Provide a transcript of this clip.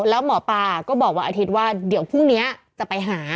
แล้วหมอปลาก็บอกวันอาทิตย์ว่าเดี๋ยวพรุ่งนี้จะไปหา